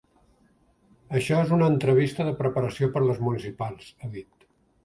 Això és una entrevista de preparació per a les municipals, ha dit.